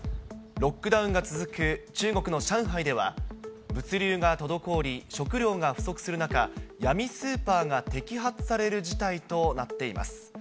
ロックダウンが続く中国の上海では、物流が滞り、食料が不足する中、闇スーパーが摘発される事態となっています。